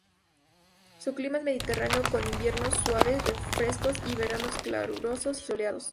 Su clima es mediterráneo, con inviernos suaves y frescos y veranos calurosos y soleados.